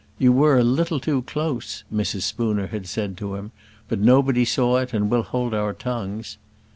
"You were a little too close," Mrs. Spooner had said to him, "but nobody saw it and we'll hold our tongues."